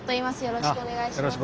よろしくお願いします。